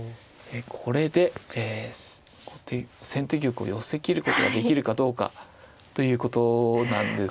これで先手玉を寄せきることができるかどうかということなんですけど。